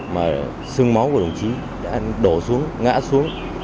mà sưng máu của đồng chí đã đổ xuống ngã xuống